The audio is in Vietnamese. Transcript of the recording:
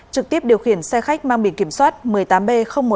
trực tiếp điều khiển xe khách mang biển kiểm soát một mươi tám b một mươi tám tám